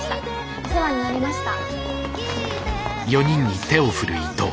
お世話になりました。